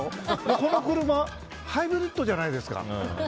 この車、ハイブリッドじゃないですか。